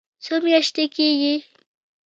څو میاشتې کیږي؟